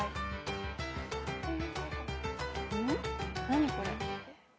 何これ？